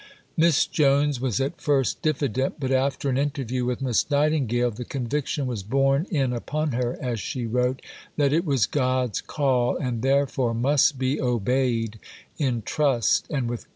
Miss Jones was at first diffident, but after an interview with Miss Nightingale "the conviction was borne in upon her," as she wrote, that it was God's call and therefore must be obeyed in trust and with good hope.